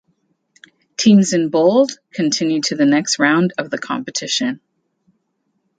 Teams in bold continue to the next round of the competition.